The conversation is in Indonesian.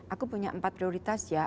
aku punya empat prioritas ya